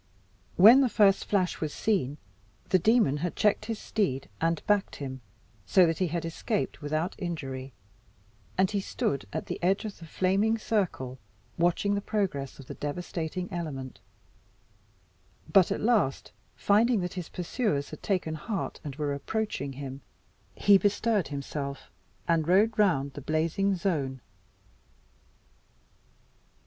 When the first flash was seen the demon had checked his steed and backed him, so that he had escaped without injury, and he stood at the edge of the flaming circle watching the progress of the devastating element; but at last, finding that his pursuers had taken heart and were approaching him, he bestirred himself, and rode round the blazing zone.